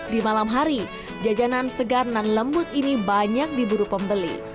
di malam hari jajanan segar dan lembut ini banyak diburu pembeli